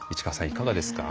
いかがですか？